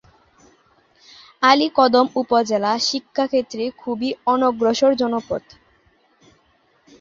আলীকদম উপজেলা শিক্ষাক্ষেত্রে খুবই অনগ্রসর জনপদ।